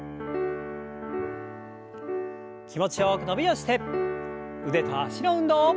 気持ちよく伸びをして腕と脚の運動。